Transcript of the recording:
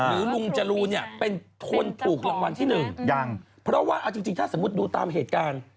ลุงจรูนเนี่ยเป็นคนถูกรางวัลที่หนึ่งยังเพราะว่าเอาจริงถ้าสมมุติดูตามเหตุการณ์